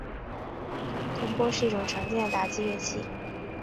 铜钹是一种常见的打击乐器。